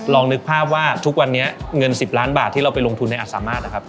นึกภาพว่าทุกวันนี้เงิน๑๐ล้านบาทที่เราไปลงทุนในอาจสามารถนะครับ